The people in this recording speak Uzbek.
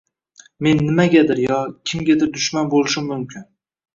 Men nimagadir yo kimgadir dushman boʻlishim mumkin